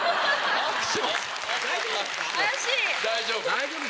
大丈夫。